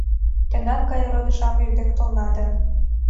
Тендан гае родо-шамыч дек толна да